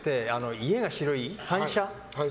家が白い、反射。